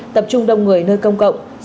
tập trung đông người nơi công cộng